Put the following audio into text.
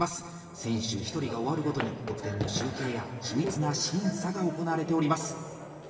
選手１人が終わるごとに得点の集計や緻密な審査が行われております。